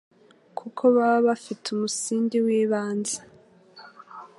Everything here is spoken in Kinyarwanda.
kuko baba bafite umusingi w'ibanze